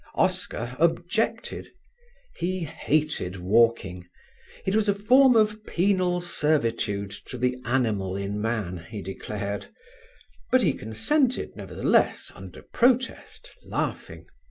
Oscar objected. He hated walking; it was a form of penal servitude to the animal in man, he declared; but he consented, nevertheless, under protest, laughing.